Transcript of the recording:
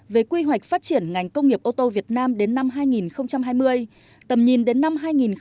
về quy hoạch phát triển ngành công nghiệp ô tô việt nam đến năm hai nghìn hai mươi tầm nhìn đến năm hai nghìn ba mươi